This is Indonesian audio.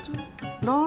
manjung tuang uang di luar